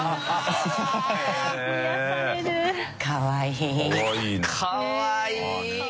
かわいい。